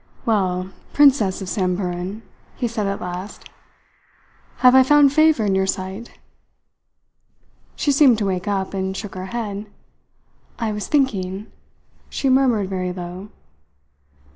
"Well, princess of Samburan," he said at last, "have I found favour in your sight?" She seemed to wake up, and shook her head. "I was thinking," she murmured very low.